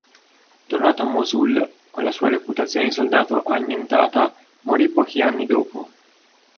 Tornato a Mosul, con la sua reputazione di soldato annientata, morì pochi anni dopo.